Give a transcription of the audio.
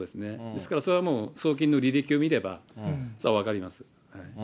ですから、それはもう送金の履歴を見れば、それは分かります。